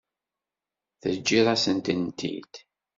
Teǧǧiḍ-asen-tent-id.